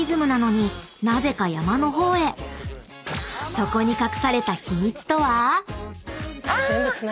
［そこに隠された秘密とは⁉］